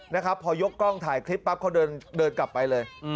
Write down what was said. นะครับพอยกกล้องถ่ายคลิปปั๊บเขาเดินกลับไปเลย